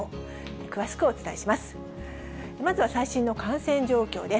詳しくお伝えします。